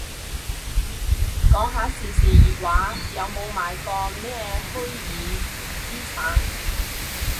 講下時事熱話，有冇買過咩虛擬資產